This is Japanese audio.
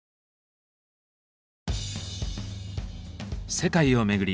世界を巡り